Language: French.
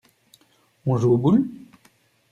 On joue aux boules?